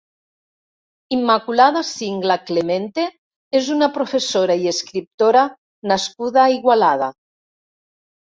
Immaculada Singla Clemente és una professora i escriptora nascuda a Igualada.